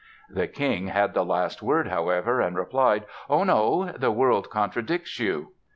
The King had the last word, however, and replied: "Oh, no; the world contradicts you."